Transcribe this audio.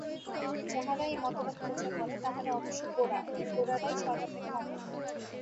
যাহারা এই মতবাদ প্রচার করে, তাহারা অবশ্য গোঁড়া, এবং গোঁড়ারাই সর্বাপেক্ষা অকপট।